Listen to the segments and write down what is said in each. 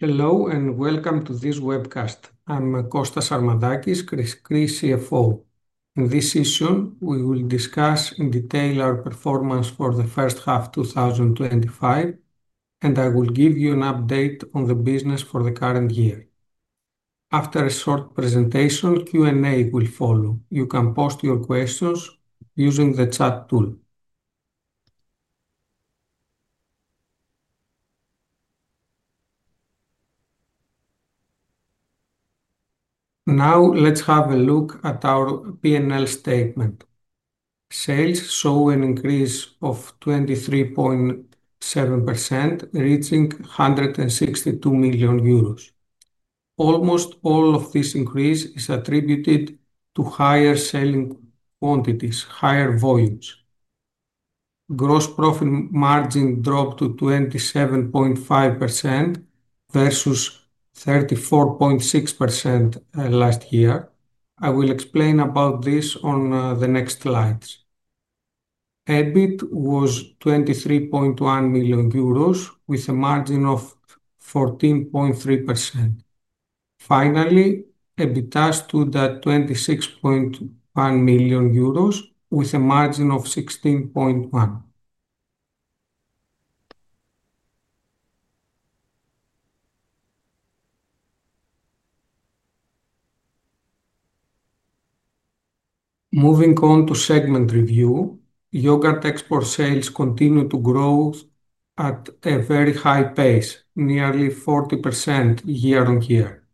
Hello and welcome to this webcast. I'm Konstantinos Sarmadakis, Kri-Kri Milk Industry S.A. CFO. In this session, we will discuss in detail our performance for the first half of 2025, and I will give you an update on the business for the current year. After a short presentation, Q&A will follow. You can post your questions using the chat tool. Now, let's have a look at our P&L statement. Sales show an increase of 23.7%, reaching €162 million. Almost all of this increase is attributed to higher selling quantities, higher volumes. Gross profit margin dropped to 27.5% versus 34.6% last year. I will explain about this on the next slides. EBIT was €23.1 million with a margin of 14.3%. Finally, EBITDA stood at €26.1 million with a margin of 16.1%. Moving on to segment review, yogurt export sales continue to grow at a very high pace, nearly 40% year-on-year.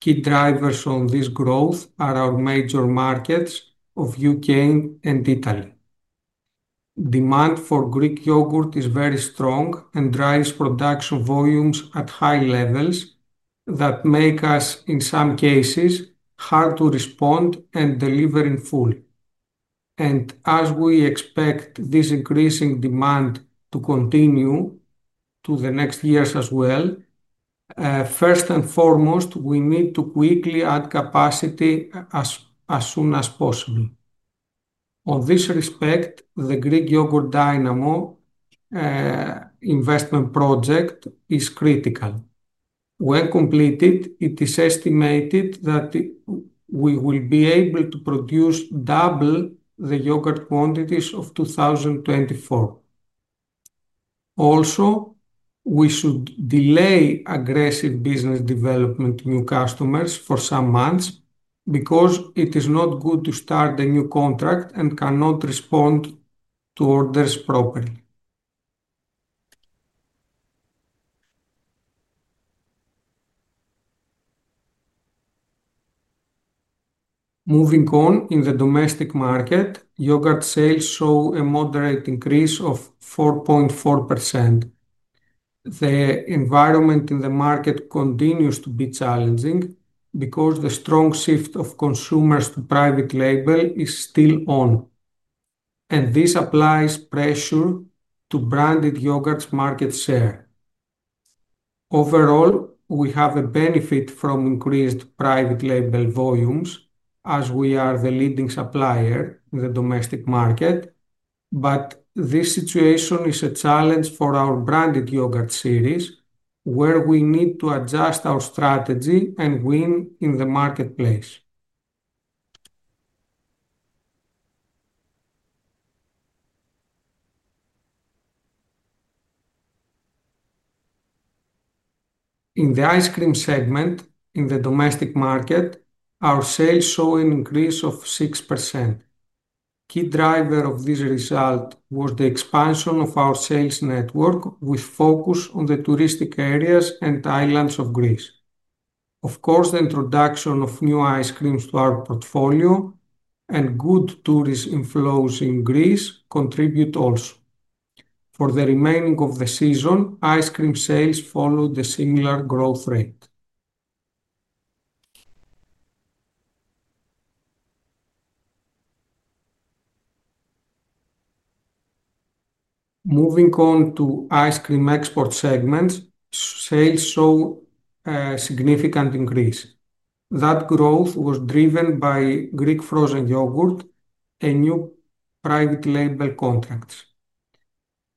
Key drivers on this growth are our major markets of the UK and Italy. Demand for Greek yogurt is very strong and drives production volumes at high levels that make us, in some cases, hard to respond and deliver in full. As we expect this increasing demand to continue to the next years as well, first and foremost, we need to quickly add capacity as soon as possible. In this respect, the Greek Yogurt Dynamo investment project is critical. When completed, it is estimated that we will be able to produce double the yogurt quantities of 2024. Also, we should delay aggressive business development to new customers for some months because it is not good to start a new contract and cannot respond to orders properly. Moving on, in the domestic market, yogurt sales show a moderate increase of 4.4%. The environment in the market continues to be challenging because the strong shift of consumers to private label is still on. This applies pressure to branded yogurt's market share. Overall, we have a benefit from increased private label volumes as we are the leading supplier in the domestic market, but this situation is a challenge for our branded yogurt series where we need to adjust our strategy and win in the marketplace. In the ice cream segment in the domestic market, our sales show an increase of 6%. Key driver of this result was the expansion of our sales network with focus on the touristic areas and islands of Greece. Of course, the introduction of new ice creams to our portfolio and good tourist inflows in Greece contribute also. For the remaining of the season, ice cream sales followed a similar growth rate. Moving on to ice cream export segments, sales show a significant increase. That growth was driven by Greek frozen yogurt and new private label contracts.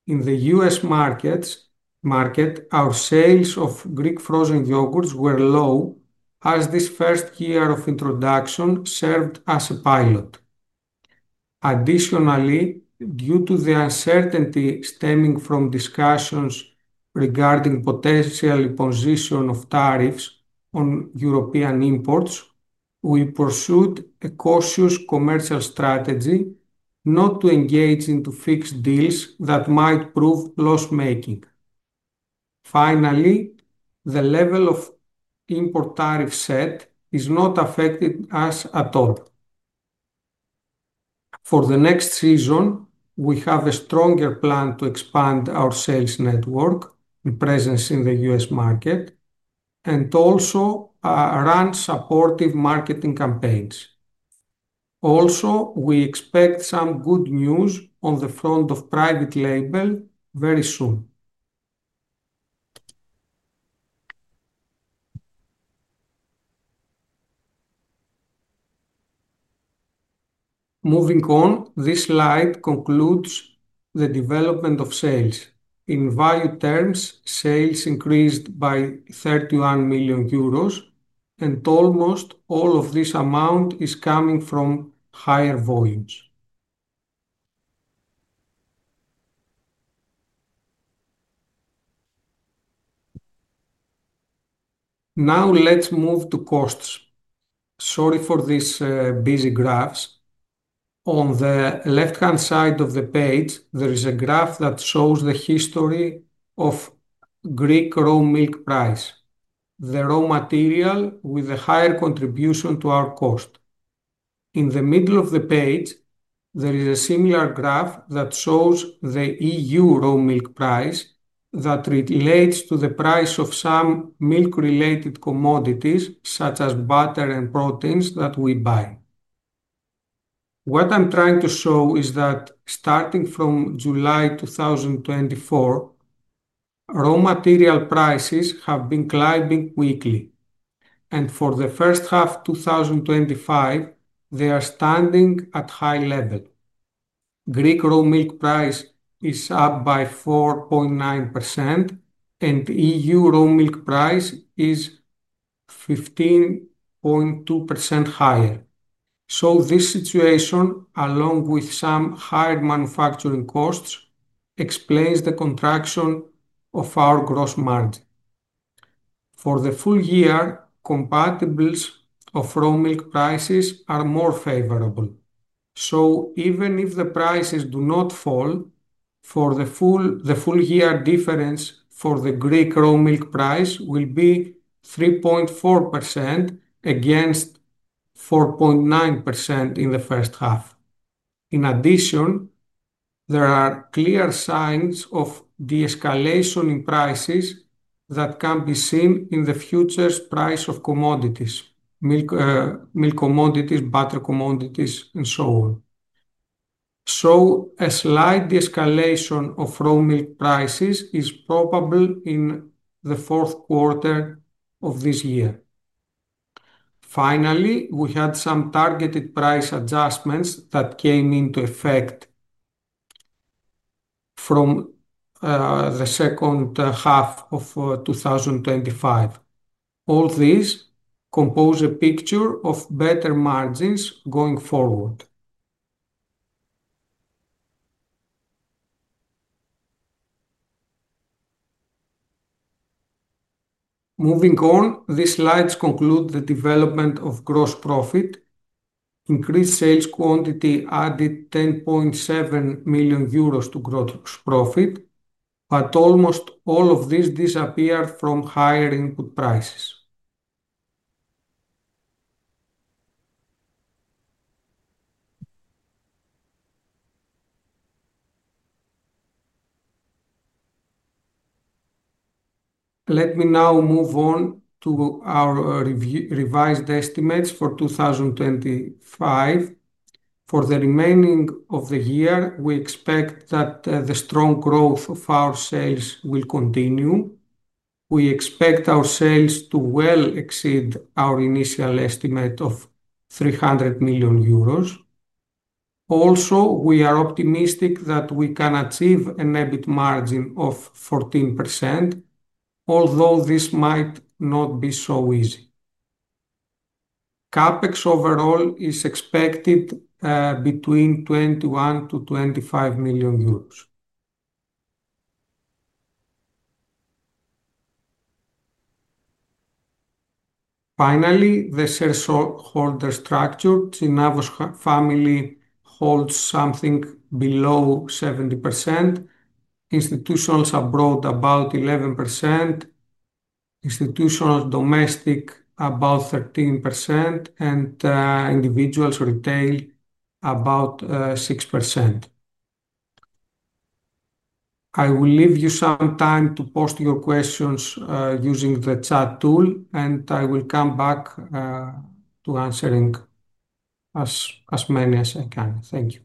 In the U.S. market, our sales of Greek frozen yogurts were low as this first year of introduction served as a pilot. Additionally, due to the uncertainty stemming from discussions regarding the potential imposition of tariffs on European imports, we pursued a cautious commercial strategy, not to engage in fixed deals that might prove loss-making. Finally, the level of import tariff set is not affected us at all. For the next season, we have a stronger plan to expand our sales network and presence in the U.S. market and also run supportive marketing campaigns. Also, we expect some good news on the front of private label very soon. Moving on, this slide concludes the development of sales. In value terms, sales increased by €31 million, and almost all of this amount is coming from higher volumes. Now, let's move to costs. Sorry for these busy graphs. On the left-hand side of the page, there is a graph that shows the history of Greek raw milk price, the raw material with a higher contribution to our cost. In the middle of the page, there is a similar graph that shows the EU raw milk price that relates to the price of some milk-related commodities such as butter and proteins that we buy. What I'm trying to show is that starting from July 2024, raw material prices have been climbing quickly. For the first half of 2025, they are standing at a high level. Greek raw milk price is up by 4.9%, and EU raw milk price is 15.2% higher. This situation, along with some higher manufacturing costs, explains the contraction of our gross margin. For the full year, comparables of raw milk prices are more favorable. Even if the prices do not fall, the full-year difference for the Greek raw milk price will be 3.4% against 4.9% in the first half. In addition, there are clear signs of de-escalation in prices that can be seen in the future price of commodities, milk commodities, butter commodities, and so on. A slight de-escalation of raw milk prices is probable in the fourth quarter of this year. Finally, we had some targeted price adjustments that came into effect from the second half of 2025. All these compose a picture of better margins going forward. Moving on, these slides conclude the development of gross profit. Increased sales quantity added €10.7 million to gross profit, but almost all of this disappeared from higher input prices. Let me now move on to our revised estimates for 2025. For the remaining of the year, we expect that the strong growth of our sales will continue. We expect our sales to well exceed our initial estimate of €300 million. Also, we are optimistic that we can achieve an EBIT margin of 14%, although this might not be so easy. CAPEX overall is expected between €21 million to €25 million. Finally, the shareholder structure. The Synagos family holds something below 70%. Institutionals abroad about 11%. Institutionals domestic about 13%, and individuals retail about 6%. I will leave you some time to post your questions using the chat tool, and I will come back to answering as many as I can. Thank you.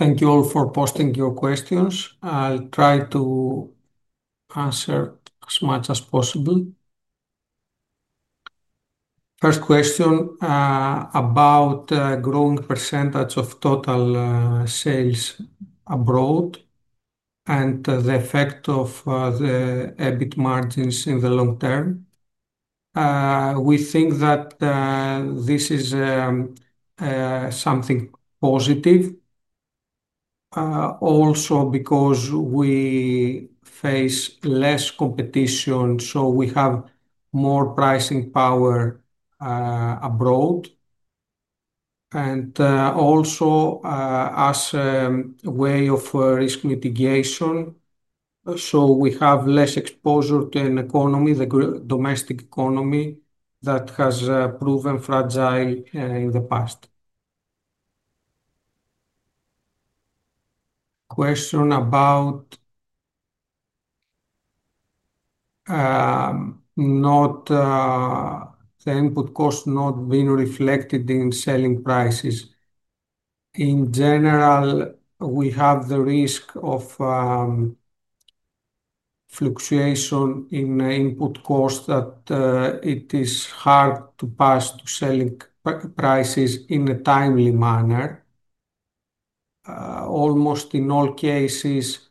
Thank you all for posting your questions. I'll try to answer as much as possible. First question about the growing percentage of total sales abroad and the effect of the EBIT margins in the long term. We think that this is something positive, also because we face less competition, so we have more pricing power abroad. Also, as a way of risk mitigation, we have less exposure to an economy, the domestic economy that has proven fragile in the past. Question about the input cost not being reflected in selling prices. In general, we have the risk of fluctuation in the input cost that it is hard to pass to selling prices in a timely manner. Almost in all cases,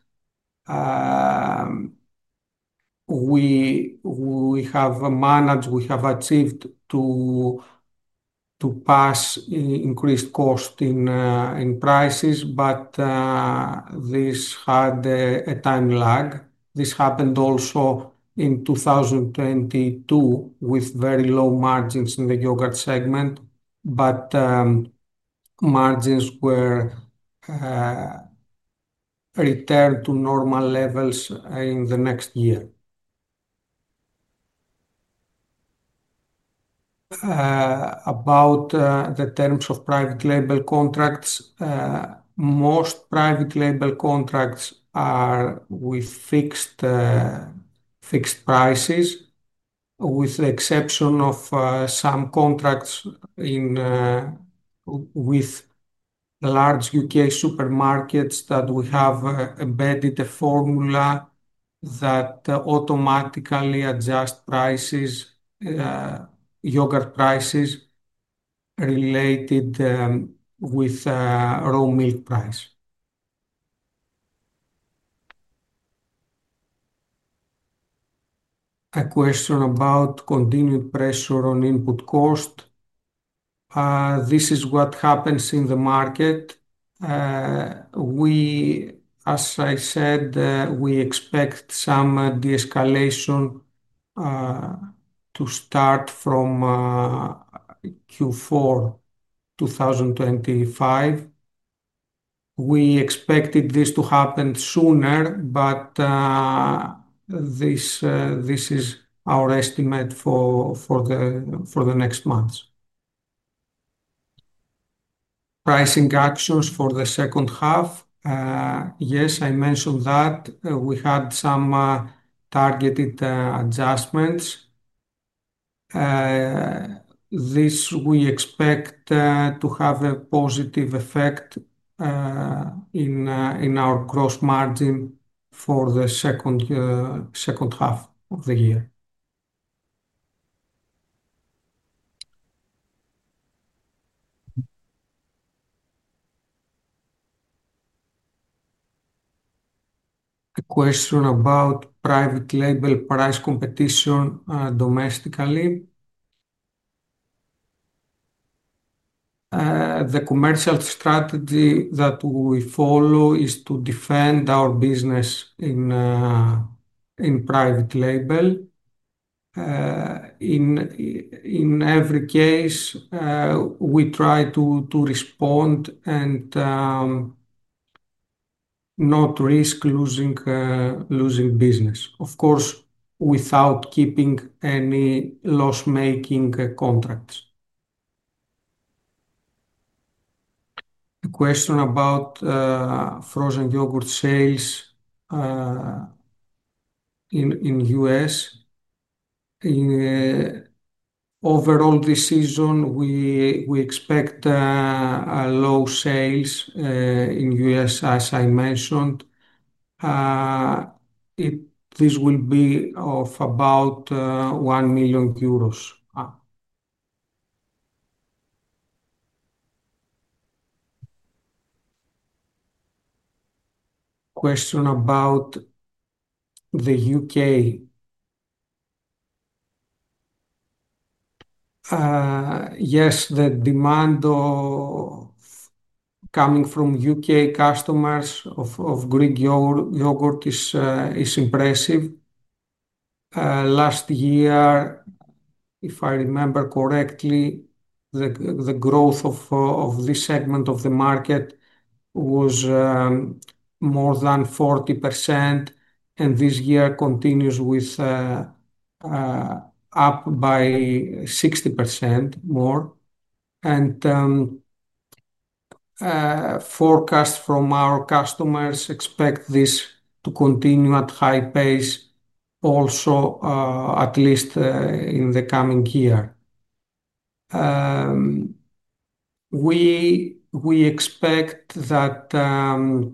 we have managed, we have achieved to pass increased cost in prices, but this had a time lag. This happened also in 2022 with very low margins in the yogurt segment, but margins were returned to normal levels in the next year. About the terms of private label contracts, most private label contracts are with fixed prices, with the exception of some contracts with large UK supermarkets that we have embedded a formula that automatically adjusts yogurt prices related with raw milk price. A question about continued pressure on input cost. This is what happens in the market. As I said, we expect some de-escalation to start from Q4 2025. We expected this to happen sooner, but this is our estimate for the next month. Pricing actions for the second half. Yes, I mentioned that we had some targeted adjustments. This, we expect to have a positive effect in our gross margin for the second half of the year. A question about private label price competition domestically. The commercial strategy that we follow is to defend our business in private label. In every case, we try to respond and not risk losing business, of course, without keeping any loss-making contracts. A question about frozen yogurt sales in the U.S. Overall, this season, we expect low sales in the U.S., as I mentioned. This will be of about €1 million. Question about the UK. Yes, the demand coming from UK customers of Greek yogurt is impressive. Last year, if I remember correctly, the growth of this segment of the market was more than 40%, and this year continues with up by 60% more. Forecasts from our customers expect this to continue at a high pace, also at least in the coming year. We expect that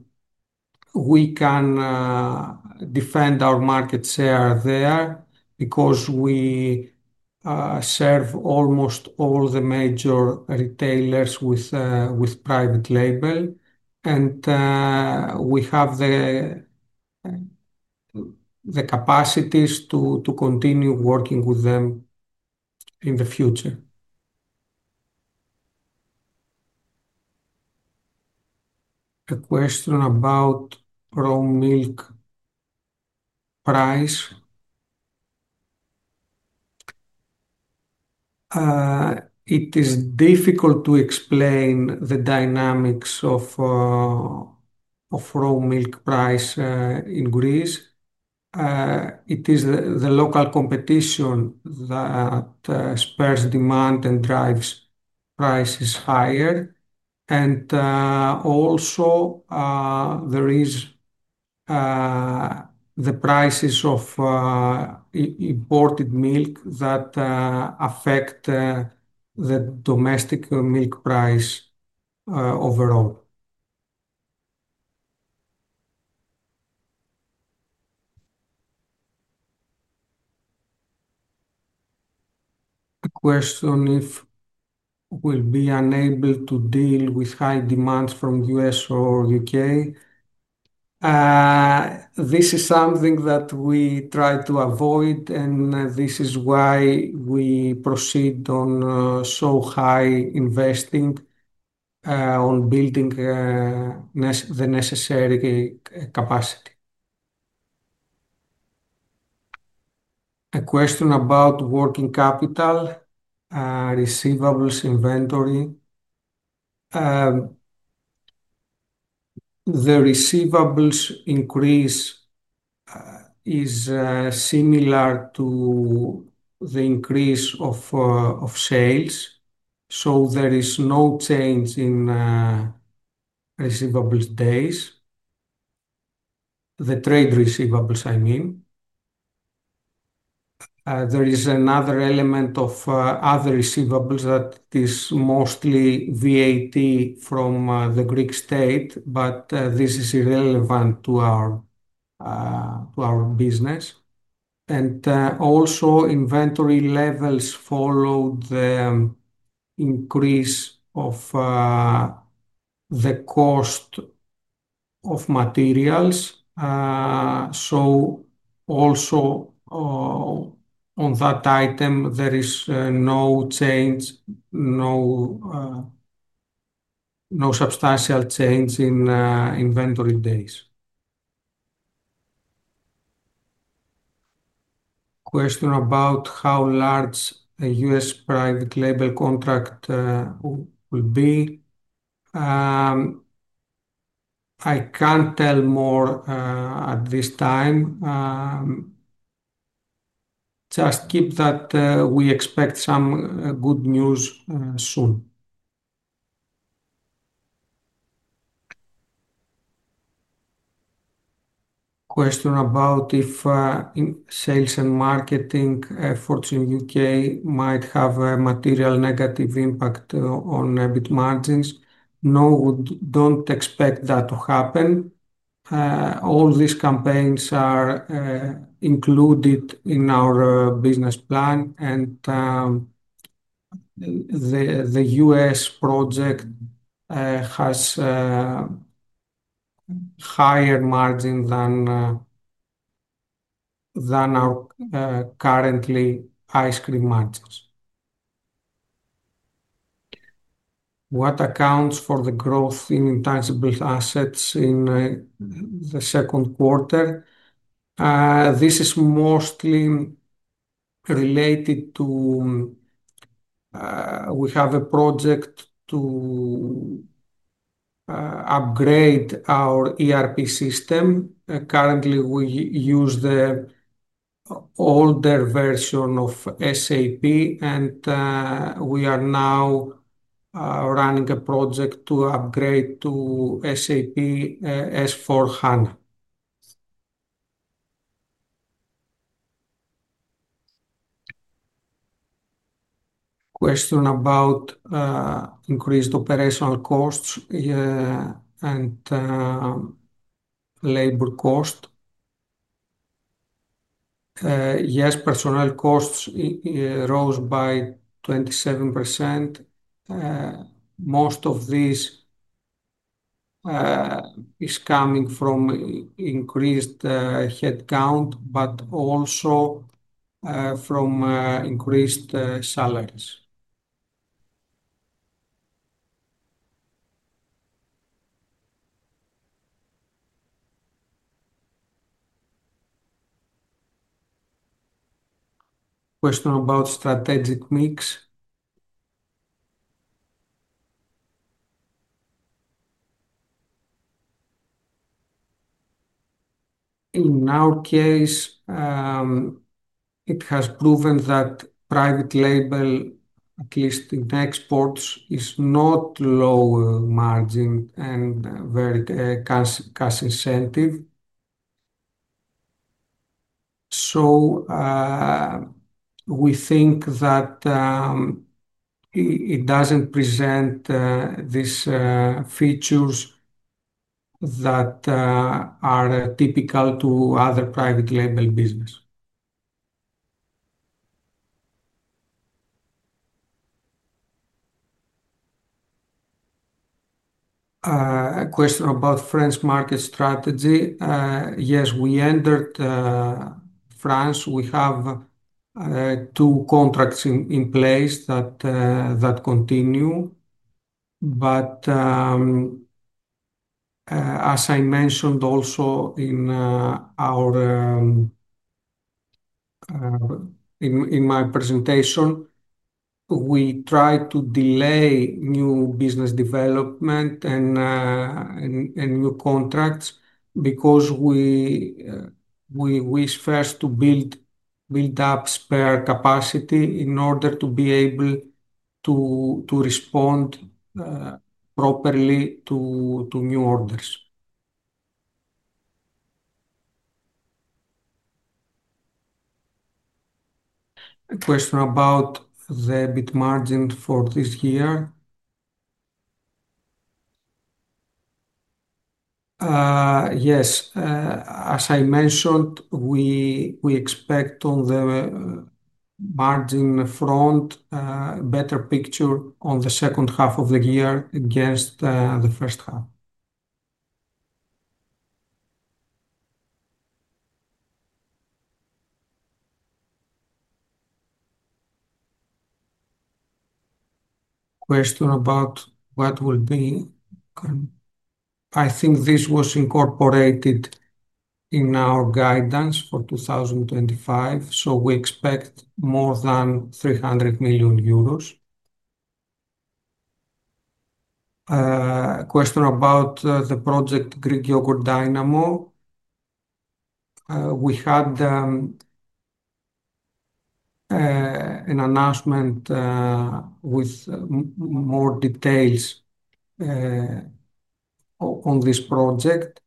we can defend our market share there because we serve almost all the major retailers with private label, and we have the capacities to continue working with them in the future. A question about raw milk price. It is difficult to explain the dynamics of raw milk price in Greece. It is the local competition that spurs demand and drives prices higher. There is also the prices of imported milk that affect the domestic milk price overall. The question is if we'll be unable to deal with high demands from the U.S. or UK. This is something that we try to avoid, and this is why we proceed on so high investing on building the necessary capacity. A question about working capital, receivables, inventory. The receivables increase is similar to the increase of sales. There is no change in receivables days, the trade receivables, I mean. There is another element of other receivables that is mostly VAT from the Greek state, but this is irrelevant to our business. Inventory levels follow the increase of the cost of materials. On that item, there is no change, no substantial change in inventory days. Question about how large a U.S. private label contract will be. I can't tell more at this time. Just keep that we expect some good news soon. Question about if sales and marketing efforts in the UK might have a material negative impact on EBIT margins. No, we don't expect that to happen. All these campaigns are included in our business plan, and the U.S. project has a higher margin than our currently ice cream margins. What accounts for the growth in intangible assets in the second quarter? This is mostly related to we have a project to upgrade our ERP system. Currently, we use the older version of SAP, and we are now running a project to upgrade to SAP S/4 HANA. Question about increased operational costs and labor cost. Yes, personnel costs rose by 27%. Most of this is coming from increased headcount, but also from increased salaries. Question about strategic mix. In our case, it has proven that private label, at least in exports, is not a lower margin and very cash incentive. We think that it doesn't present these features that are typical to other private label businesses. Question about French market strategy. Yes, we entered France. We have two contracts in place that continue. As I mentioned also in my presentation, we try to delay new business development and new contracts because we wish first to build up spare capacity in order to be able to respond properly to new orders. Question about the EBIT margin for this year. Yes. As I mentioned, we expect on the margin front a better picture in the second half of the year against the first half. Question about what will be, I think this was incorporated in our guidance for 2025. We expect more than €300 million. Question about the project Greek Yogurt Dynamo. We had an announcement with more details on this project.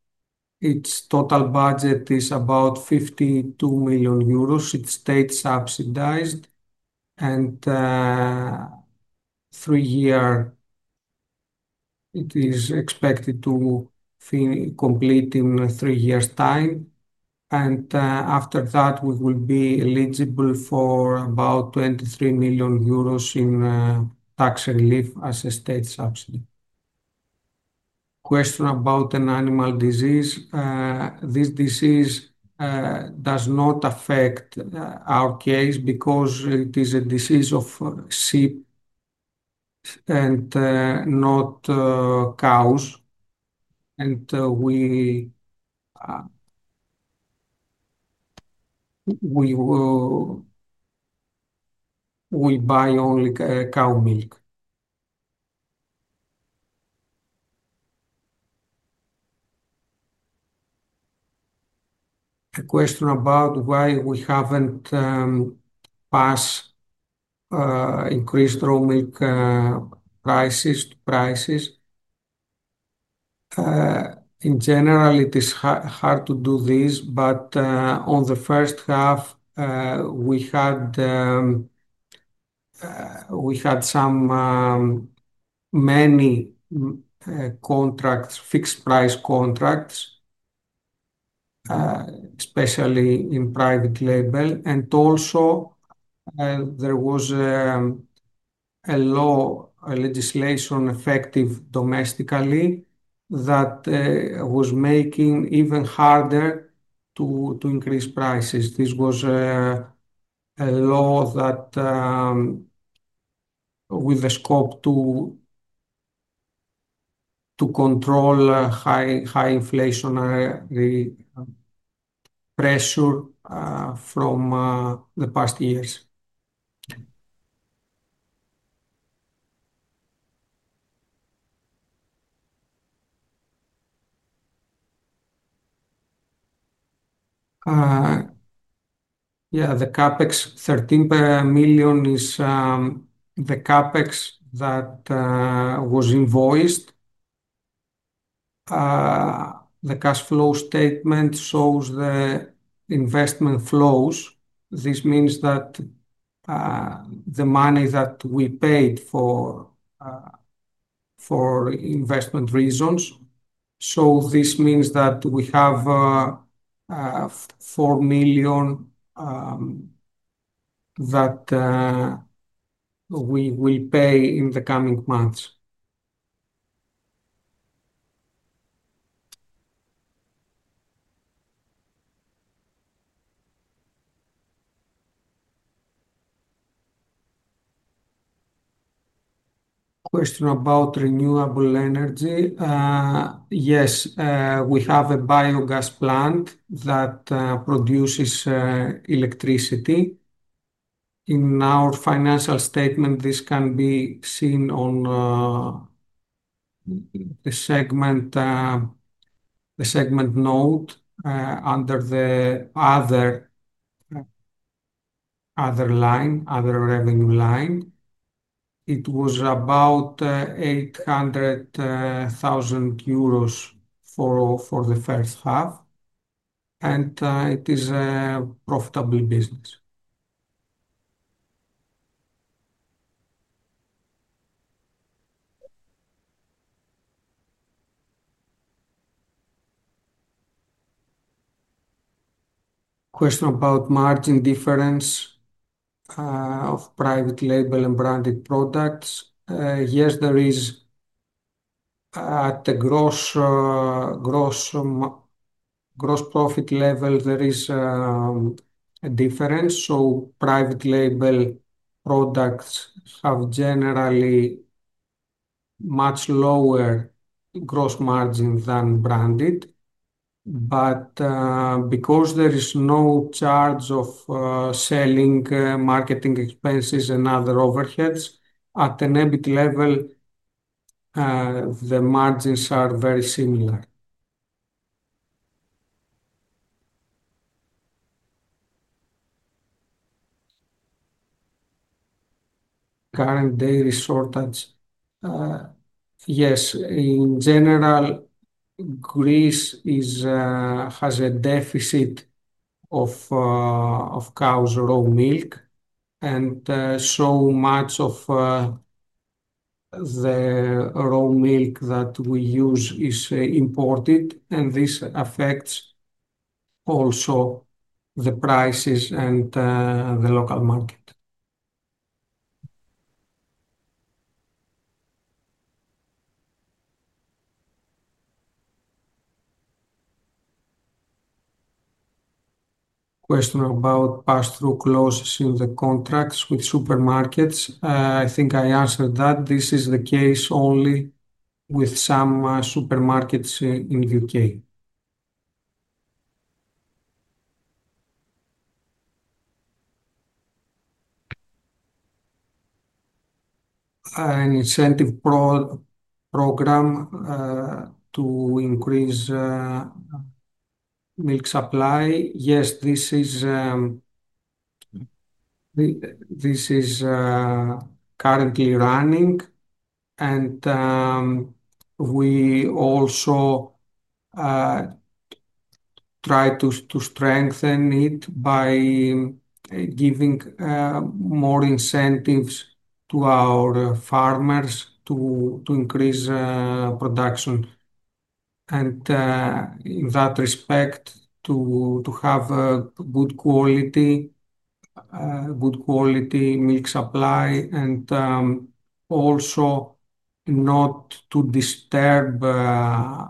Its total budget is about €52 million. It stays subsidized, and it is expected to complete in three years' time. After that, we will be eligible for about €23 million in tax relief as a state subsidy. Question about an animal disease. This disease does not affect our case because it is a disease of sheep and not cows. We buy only cow milk. Question about why we haven't passed increased raw milk prices. In general, it is hard to do this, but in the first half, we had many fixed-price contracts, especially in private label. Also, there was a law, a legislation effective domestically that was making it even harder to increase prices. This was a law with the scope to control high inflationary pressure from the past years. The CAPEX €13 million is the CAPEX that was invoiced. The cash flow statement shows the investment flows. This means that the money that we paid for investment reasons. This means that we have €4 million that we will pay in the coming months. Question about renewable energy. Yes, we have a biogas plant that produces electricity. In our financial statement, this can be seen on the segment note under the other revenue line. It was about €800,000 for the first half. It is a profitable business. Question about margin difference of private label and branded products. Yes, at the gross profit level, there is a difference. Private label products have generally much lower gross margins than branded. Because there is no charge of selling, marketing expenses, and other overheads, at an EBIT level, the margins are very similar. Current dairy shortage. Yes, in general, Greece has a deficit of cow's raw milk. Much of the raw milk that we use is imported, and this affects the prices and the local market. Question about pass-through clauses in the contracts with supermarkets. I think I answered that. This is the case only with some supermarkets in the UK. An incentive program to increase milk supply. Yes, this is currently running. We also try to strengthen it by giving more incentives to our farmers to increase production. In that respect, to have a good quality milk supply, and also not to disturb the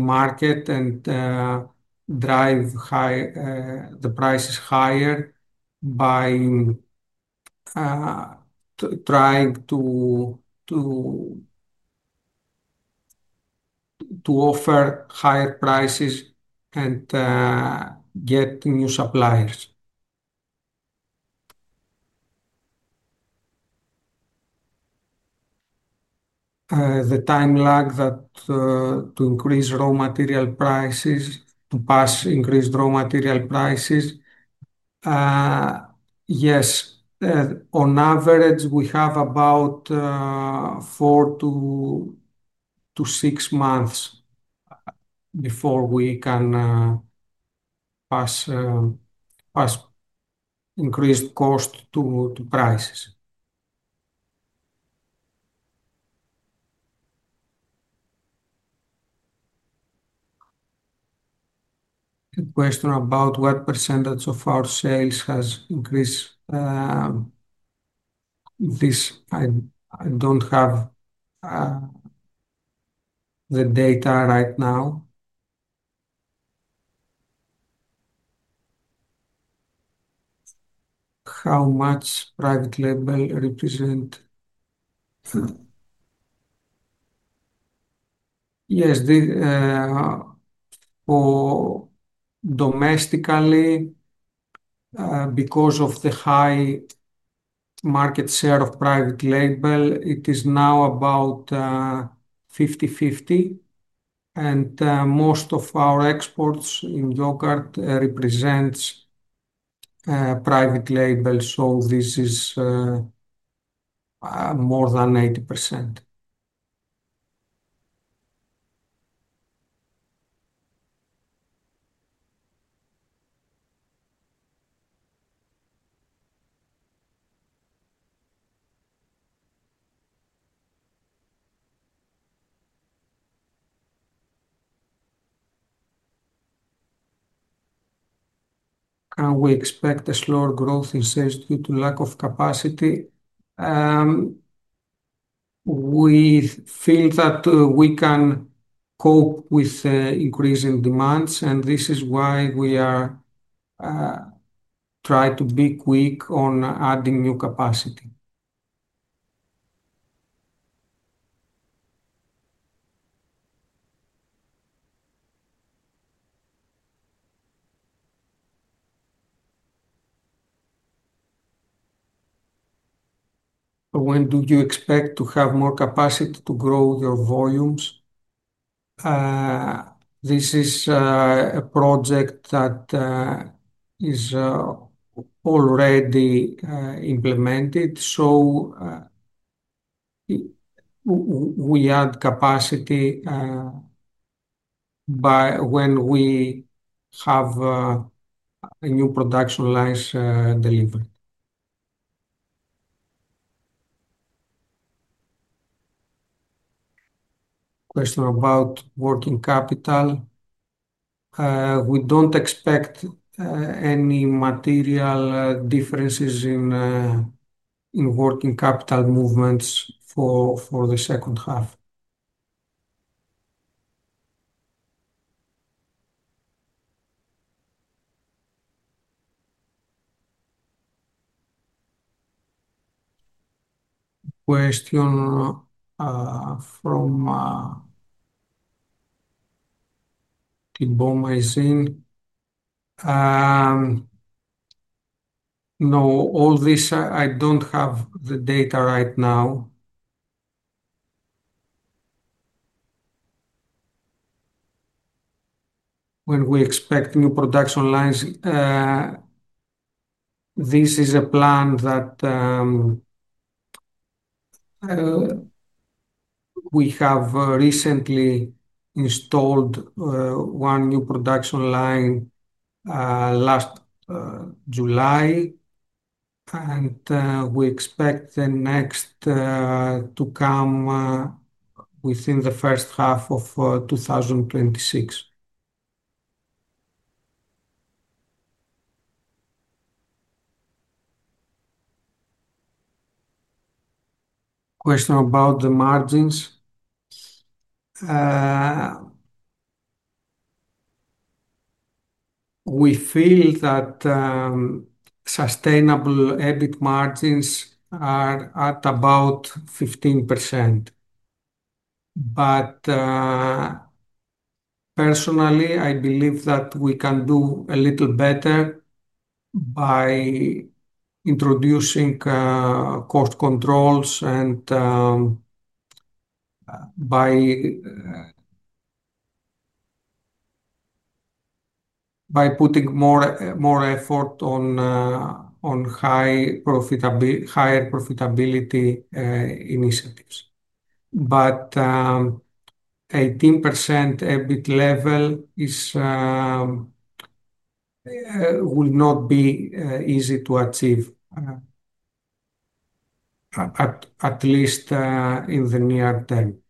market and drive the prices higher by trying to offer higher prices and get new suppliers. The time lag to increase raw material prices, to pass increased raw material prices. On average, we have about four to six months before we can pass increased cost to prices. A question about what percentage of our sales has increased. I don't have the data right now. How much private label represents? Domestically, because of the high market share of private label, it is now about 50/50. Most of our exports in yogurt represent private label. This is more than 80%. We expect a slower growth in search into lack of capacity. We feel that we can cope with increasing demands, and this is why we try to be quick on adding new capacity. When do you expect to have more capacity to grow your volumes? This is a project that is already implemented. We add capacity by when we have new production lines delivered. Question about working capital. We don't expect any material differences in working capital movements for the second half. Question from Tibomazin. No, I don't have the data right now. When we expect new production lines, this is a plan that we have recently installed one new production line last July, and we expect the next to come within the first half of 2026. Question about the margins. We feel that sustainable EBIT margins are at about 15%. Personally, I believe that we can do a little better by introducing cost controls and by putting more effort on higher profitability initiatives. An 18% EBIT level will not be easy to achieve, at least in the near term.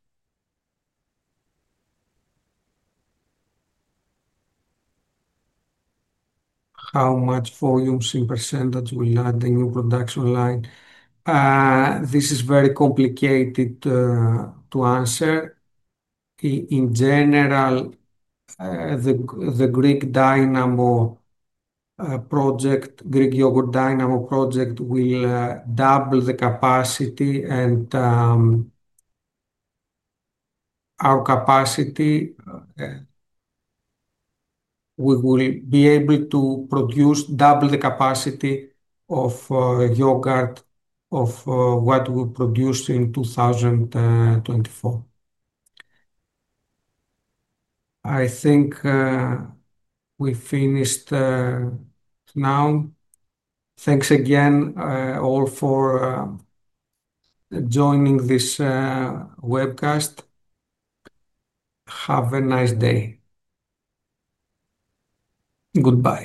How much volume in % will the new production line add? This is very complicated to answer. In general, the Greek Yogurt Dynamo project will double the capacity, and we will be able to produce double the capacity of yogurt of what we produce in 2024. I think we finished now. Thanks again all for joining this webcast. Have a nice day. Goodbye.